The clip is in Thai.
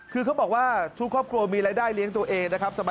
คือเขาบอกว่าทุกครอบครัวมีรายได้เลี้ยงตัวเองนะครับ